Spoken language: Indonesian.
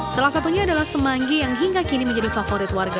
salah satunya adalah semanggi yang hingga kini menjadi favorit warga